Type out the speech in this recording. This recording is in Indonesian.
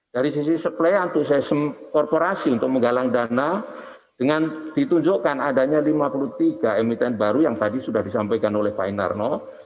dari sisi supply antusiasme korporasi untuk menggalang dana dengan ditunjukkan adanya lima puluh tiga emiten baru yang tadi sudah disampaikan oleh pak inarno